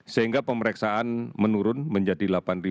sehingga pemeriksaan menurun menjadi delapan tujuh ratus tujuh puluh enam